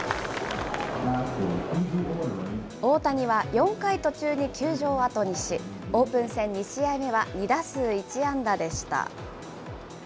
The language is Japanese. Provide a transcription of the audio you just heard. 大谷は４回途中に球場を後にし、オープン戦２試合目は、２打数１安打でした。